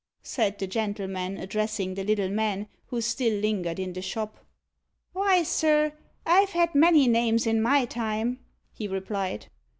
said the gentleman, addressing the little man, who still lingered in the shop. "Why, sir, I've had many names in my time," he replied.